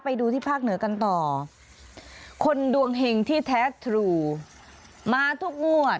ไปดูที่ภาคเหนือกันต่อคนดวงเห็งที่แท้ทรูมาทุกงวด